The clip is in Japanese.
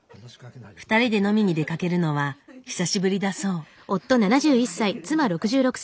２人で飲みに出かけるのは久しぶりだそう。